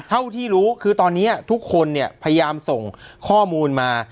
เท่าที่รู้คือตอนนี้ทุกคนเนี่ยพยายามส่งข้อมูลมา